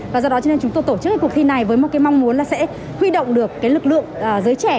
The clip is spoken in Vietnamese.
và do đó chúng tôi tổ chức cuộc thi này với mong muốn sẽ huy động được lực lượng giới trẻ